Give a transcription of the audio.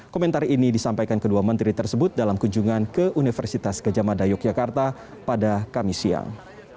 komentar ini disampaikan kedua menteri tersebut dalam kunjungan ke universitas gejamada yogyakarta pada kamis siang